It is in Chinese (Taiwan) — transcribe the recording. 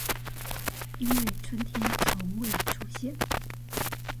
因為春天從未出現